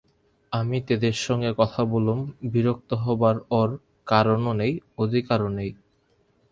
আমি তেজের সঙ্গে বললুম, বিরক্ত হবার ওঁর কারণও নেই, অধিকারও নেই।